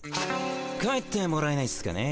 帰ってもらえないっすかね。